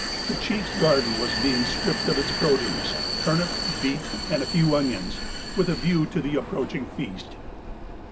The chief's garden was being stripped of its produce, turnip, beet, and a few onions, with a view to the approaching feast.